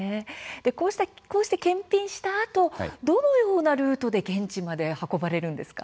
こうして検品したあとどのようなルートで現地まで運ばれるんですか？